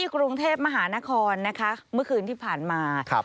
กรุงเทพมหานครนะคะเมื่อคืนที่ผ่านมา